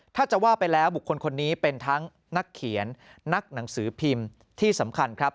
ถ้าจะว่าไปแล้วบุคคลคนนี้เป็นทั้งนักเขียนนักหนังสือพิมพ์ที่สำคัญครับ